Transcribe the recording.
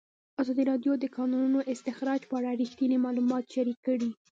ازادي راډیو د د کانونو استخراج په اړه رښتیني معلومات شریک کړي.